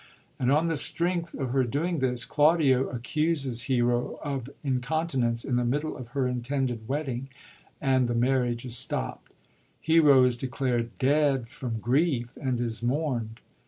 And on the strength of her doing this, Claudio accuses Hero of incontinence, in the middle of her intended wedding, and the marriage is stopt. Hero is declared dead from grief, and is mournd.